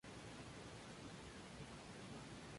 Él apareció en las pantallas de vídeo para las otras dos fechas.